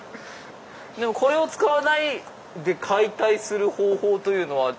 でもこれを使わないで解体する方法というのは見つかったんですか？